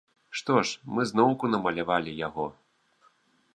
Што ж, мы зноўку намалявалі яго.